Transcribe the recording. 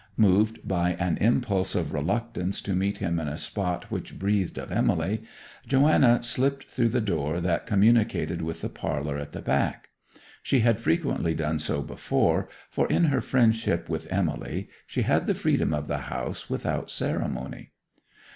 Moved by an impulse of reluctance to meet him in a spot which breathed of Emily, Joanna slipped through the door that communicated with the parlour at the back. She had frequently done so before, for in her friendship with Emily she had the freedom of the house without ceremony.